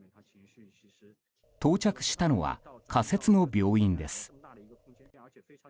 到着したのは、仮設の病院です。